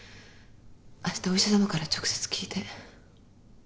あしたお医者さまから直接聞いて。